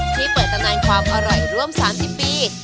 ที่เปิดตำนานความอร่อยร่วม๓๐ปี